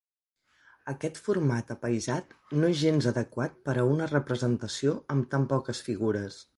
Aquest format apaïsat no és gens adequat per a una representació amb tan poques figures.